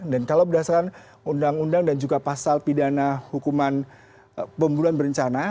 dan kalau berdasarkan undang undang dan juga pasal pidana hukuman pembunuhan berencana